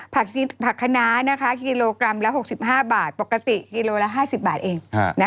ผักคณะกิโลกรัมละ๖๕บาทปกติกิโลละ๕๐บาทเอง